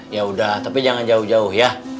ya udah tapi jangan jauh jauh ya